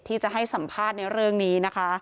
ที่จะให้สัมภาษณ์ในเรื่องนี้นะคะ